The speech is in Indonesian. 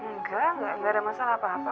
enggak enggak ada masalah apa apa